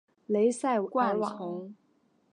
栖息地包括亚热带或热带的干燥疏灌丛。